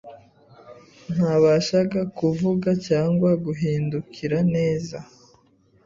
ntabashaga kuvuga cyangwa guhindukira neza